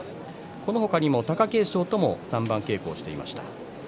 このあと貴景勝とも三番稽古をしていました。